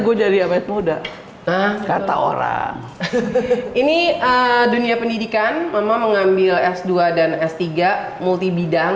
mau jadi awet muda nah kata orang ini dunia pendidikan mama mengambil s dua dan s tiga multibidang